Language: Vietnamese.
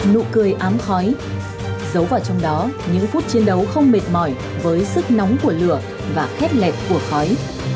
nụ cười ám khói giấu vào trong đó những phút chiến đấu không mệt mỏi với sức nóng của lửa và khét lẹt của khói